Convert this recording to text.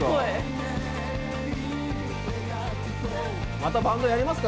またバンドやりますか？